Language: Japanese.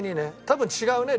多分違うね